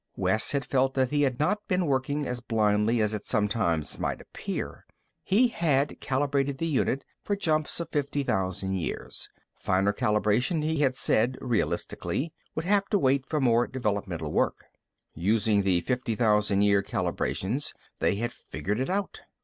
Wes had felt that he had not been working as blindly as it sometimes might appear. He had calibrated the unit for jumps of 50,000 years. Finer calibration, he had said realistically, would have to wait for more developmental work. Using the 50,000 year calibrations, they had figured it out.